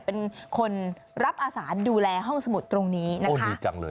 เป็นคนรับอาสารดูแลห้องสมุดตรงนี้นะคะ